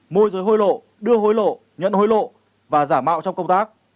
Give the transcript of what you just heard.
môi giới hôi lộ đưa hôi lộ nhận hôi lộ và giả mạo trong công tác